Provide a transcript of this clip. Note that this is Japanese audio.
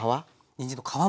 にんじんの皮も。